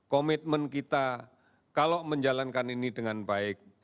komitmen kita kalau menjalankan ini dengan baik